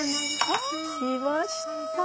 あ！来ました。